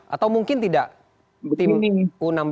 atau mungkin tidak tim u enam belas